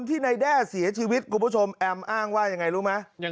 ที่นายแด้เสียชีวิตคุณผู้ชมแอมอ้างว่ายังไงรู้ไหม